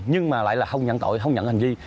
nhưng mà lại là không nhận tội không nhận hành vi